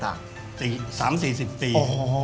สามสี่สิบปี